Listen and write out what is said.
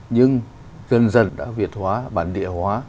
nhưng dần dần đã việt hóa bản địa hóa